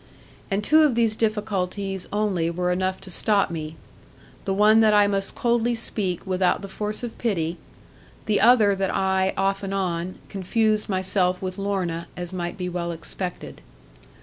And two of these difficulties only were enough to stop me; the one that I must coldly speak without the force of pity, the other that I, off and on, confused myself with Lorna, as might be well expected.